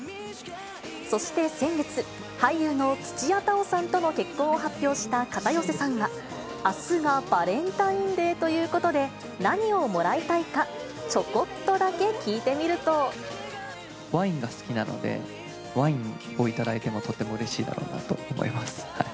そして先月、俳優の土屋太鳳さんとの結婚を発表した片寄さんは、あすがバレンタインデーということで、何をもらいたいか、チョコワインが好きなので、ワインを頂いてもとてもうれしいだろうなと思います。